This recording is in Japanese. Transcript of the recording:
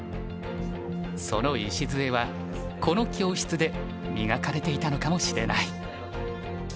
その礎はこの教室で磨かれていたのかもしれない。